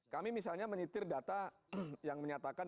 kami misalnya menyetir data yang menyatakan